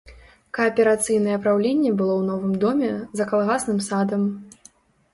Кааперацыйнае праўленне было ў новым доме, за калгасным садам.